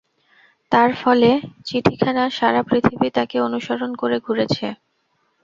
তার ফলে চিঠিখানা সারা পৃথিবী তাকে অনুসরণ করে ঘুরেছে।